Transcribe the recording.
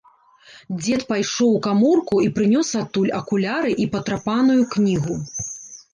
Дзед пайшоў у каморку і прынёс адтуль акуляры і патрапаную кнігу.